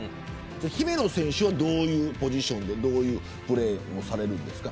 姫野選手はどういうポジションでどういうプレーをされるんですか。